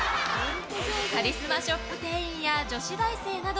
カリスマショップ店員や女子大生など